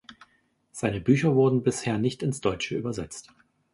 Seine Bücher wurden bisher nicht ins Deutsche übersetzt.